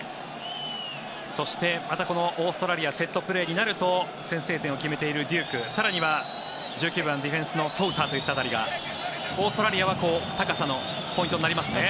そしてまたこのオーストラリアセットプレーになると先制点を決めているデューク更には１９番、ディフェンスのソウターといった辺りがオーストラリアは高さのポイントになりますね。